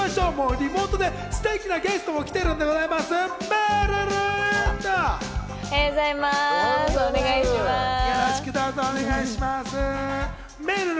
リモートでステキなゲストも来てくれてるんでございます、めるる！